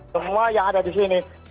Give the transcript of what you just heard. semua yang ada di sini